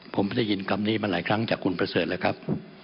ผมได้ยินคำนี้มาหลายครั้งจากคุณประเสริฐแล้วครับ